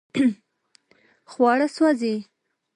خواړه سوځي